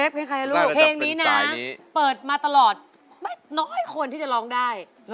เพลงนี้เปิดมาตลอดน้อยคนที่จะร้องได้